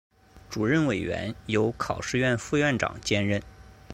主任委员由考试院副院长兼任。